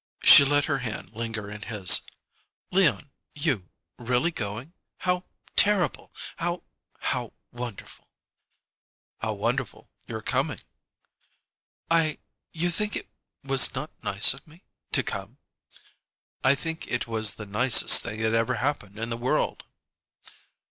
She let her hand linger in his. "Leon you really going? How terrible! How how wonderful!" "How wonderful' your coming!" "I You think it was not nice of me to come?" "I think it was the nicest thing that ever happened in the world."